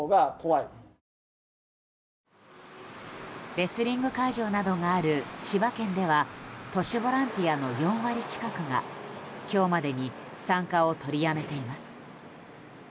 レスリング会場などがある千葉県では都市ボランティアの４割近くが今日までに参加を取りやめています。